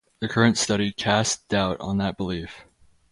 The current study casts doubt on that belief.